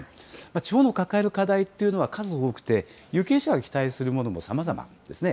地方の抱える課題というのは数多くて、有権者が期待するものもさまざまですね。